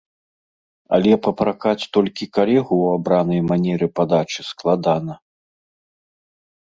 Але папракаць толькі калегу ў абранай манеры падачы складана.